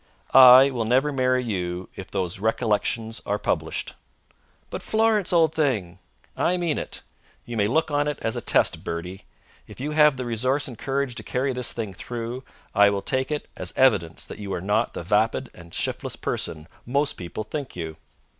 "I will never marry you if those Recollections are published." "But, Florence, old thing!" "I mean it. You may look on it as a test, Bertie. If you have the resource and courage to carry this thing through, I will take it as evidence that you are not the vapid and shiftless person most people think you.